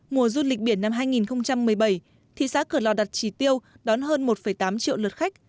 mùa du lịch biển năm hai nghìn một mươi bảy thị xã cửa lò đặt chỉ tiêu đón hơn một tám triệu lượt khách